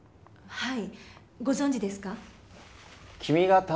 はい。